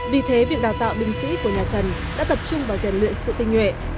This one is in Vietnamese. vì thế việc đào tạo binh sĩ của nhà trần đã tập trung vào rèn luyện sự tinh nhuệ